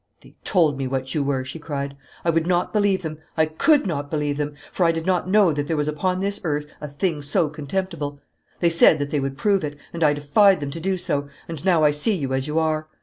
'They told me what you were,' she cried. 'I would not believe them, I could not believe them for I did not know that there was upon this earth a thing so contemptible. They said that they would prove it, and I defied them to do so, and now I see you as you are.